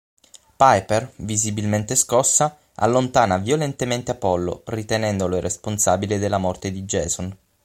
Piper, visibilmente scossa, allontana violentemente Apollo, ritenendolo responsabile della morte di Jason.